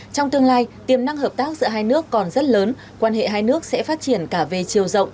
trong tương lai tiềm năng hợp tác giữa hai nước còn rất lớn quan hệ hai nước sẽ phát triển cả về chiều rộng